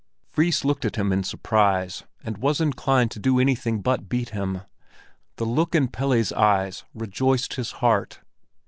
Fris looked at him in surprise, and was inclined to do anything but beat him; the look in Pelle's eyes rejoiced his heart.